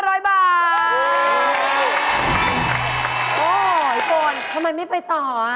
โอ๊ยโกนทำไมไม่ไปต่อ